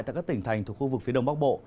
tại các tỉnh thành thuộc khu vực phía đông bắc bộ